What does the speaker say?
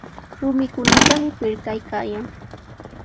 Rumikunatami pirqaykaayan.